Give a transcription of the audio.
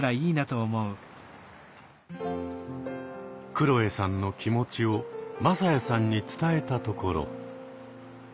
くろえさんの気持ちを匡哉さんに伝えたところ。